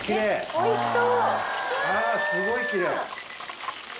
おいしそう。